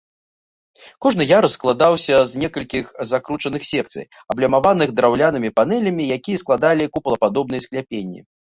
Кожны ярус складаўся з некалькіх закручаных секцый, аблямаваных драўлянымі панэлямі, якія складалі купалападобныя скляпенні.